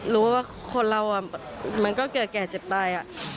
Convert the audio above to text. รู้ว่าคนเรามันก็แก่เจ็บตาย